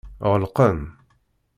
Ɣelqen.